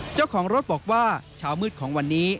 เจ้าของรถบอกว่าเช้ามืดของวันนี้